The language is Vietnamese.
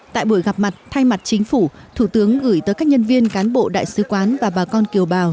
tại buổi gặp mặt thay mặt chính phủ thủ tướng gửi tới các nhân viên cán bộ đại sứ quán và bà con kiều bào